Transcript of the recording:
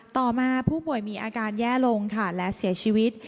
ต่อมาผู้ป่วยมีอาการแย่ลงค่ะและเสียชีวิต